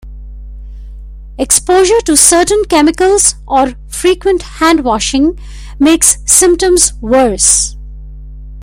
Exposure to certain chemicals or frequent hand washing makes symptoms worse.